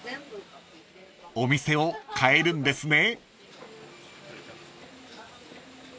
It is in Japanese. ［お店を変えるんですね］